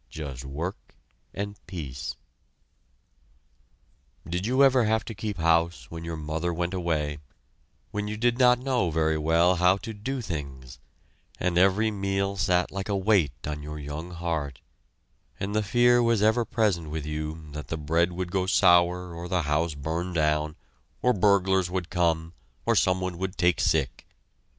Just work and peace! Did you ever have to keep house when your mother went away, when you did not know very well how to do things, and every meal sat like a weight on your young heart, and the fear was ever present with you that the bread would go sour or the house burn down, or burglars would come, or someone would take sick?